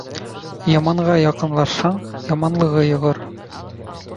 Яманға яҡынлашһаң, яманлығы йоғор.